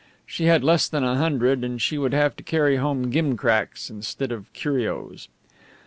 She had less than a hundred, and she would have to carry home gimcracks instead of curios.